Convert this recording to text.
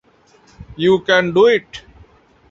We can do it!